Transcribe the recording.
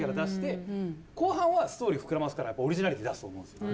後半はストーリー膨らますからオリジナリティー出すと思うんですよ。